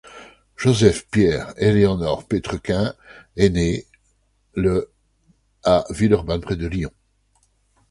Joseph Pierre Eléonord Pétrequin est né le à Villeurbanne, près de Lyon.